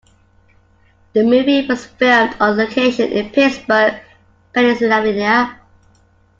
The movie was filmed on location in Pittsburgh, Pennsylvania.